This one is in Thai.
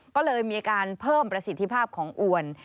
ก็เลยมีการเพิ่มประสิทธิภาพของอวน